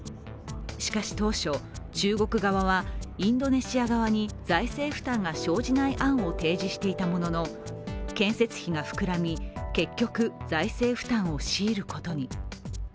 しかし当初、中国側はインドネシア側に財政負担が生じない案を提示していたものの建設費が膨らみ結局、財政負担を強いることに。